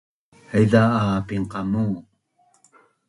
haiza a pinqamu